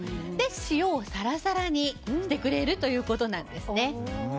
塩をサラサラにしてくれるということなんですね。